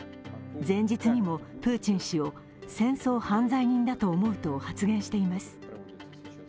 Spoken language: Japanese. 前日にもプーチン氏を戦争犯罪人だと思うと発言しています。